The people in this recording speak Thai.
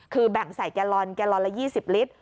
คือแบ่งใส่แกลลอนแกลลอนละ๒๐ลิตร